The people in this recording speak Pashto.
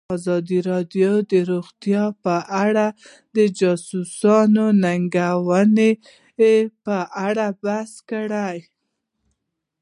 ازادي راډیو د روغتیا په اړه د چانسونو او ننګونو په اړه بحث کړی.